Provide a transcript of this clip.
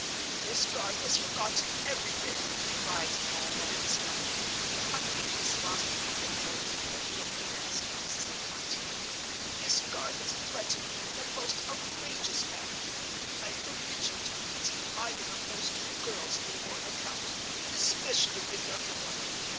"Miss Garth has forgotten everything," cried Noel Vanstone, recovering his lost composure on the re appearance of Mrs. Lecount. "Miss Garth has threatened me in the most outrageous manner. I forbid you to pity either of those two girls any more, Lecount—especially the younger one.